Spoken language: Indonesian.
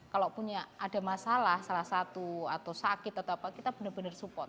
kalau punya ada masalah salah satu atau sakit atau apa kita benar benar support